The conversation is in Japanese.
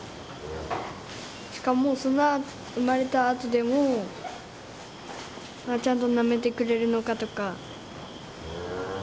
しかもその生まれたあとでもちゃんとなめてくれるのかとか。